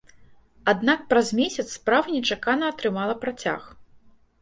Аднак праз месяц справа нечакана атрымала працяг.